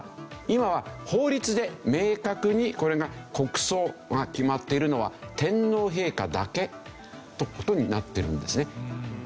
今は法律で明確に「これが国葬」が決まっているのは天皇陛下だけという事になってるんですね。